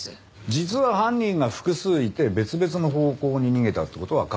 実は犯人が複数いて別々の方向に逃げたって事は考えられない？